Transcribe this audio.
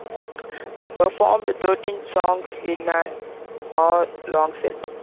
They performed thirteen songs in an hour-long set.